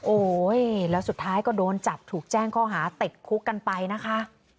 โอ้โหแล้วสุดท้ายก็โดนจับถูกแจ้งข้อหาติดคุกกันไปนะคะ